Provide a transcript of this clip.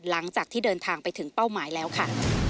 หลังจากที่เดินทางไปถึงเป้าหมายแล้วค่ะ